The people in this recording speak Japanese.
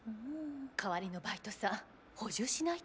代わりのバイトさん補充しないと。